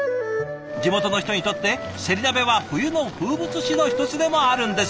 地元の人にとってせり鍋は冬の風物詩の一つでもあるんです。